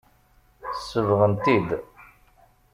Sebɣen-t-id.